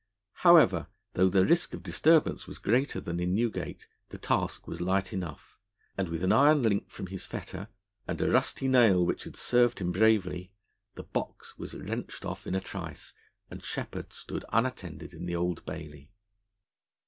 However, though the risk of disturbance was greater than in Newgate, the task was light enough: and with an iron link from his fetter, and a rusty nail which had served him bravely, the box was wrenched off in a trice, and Sheppard stood unattended in the Old Bailey.